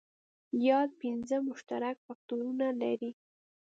یاد پنځه مشترک فکټورونه لري.